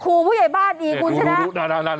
คู่ผู้ใหญ่บ้านดีคุณชนะนั่น